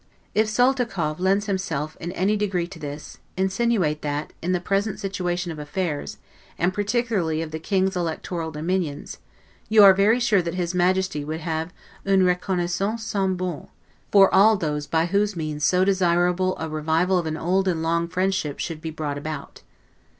If Soltikow lends himself in any degree to this, insinuate that, in the present situation of affairs, and particularly of the King's Electoral dominions, you are very sure that his Majesty would have 'une reconnoissance sans bornes' for ALL those by whose means so desirable a revival of an old and long friendship should be brought about.